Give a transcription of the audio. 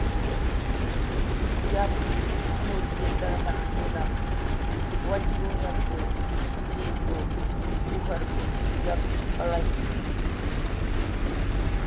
"Yapn nurkir karmajkunaq wallpuñap"" triku, ujarkun yakush palayki"